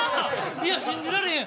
いや信じられへん。